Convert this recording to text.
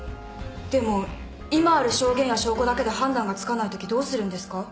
でも今ある証言や証拠だけで判断がつかないときどうするんですか？